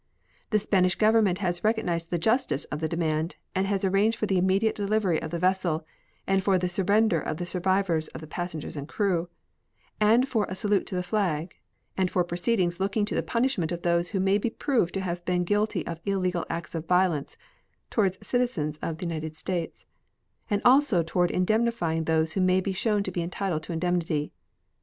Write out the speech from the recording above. The Spanish Government has recognized the justice of the demand, and has arranged for the immediate delivery of the vessel, and for the surrender of the survivors of the passengers and crew, and for a salute to the flag, and for proceedings looking to the punishment of those who may be proved to have been guilty of illegal acts of violence toward citizens of the United States, and also toward indemnifying those who may be shown to be entitled to indemnity.